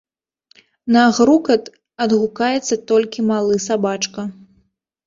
На грукат адгукаецца толькі малы сабачка.